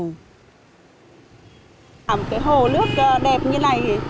một cái hồ nước đẹp như này